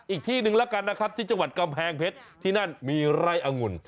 อีกที่หนึ่งแล้วกันนะครับที่จังหวัดกำแพงเพชรที่นั่นมีไร่องุ่น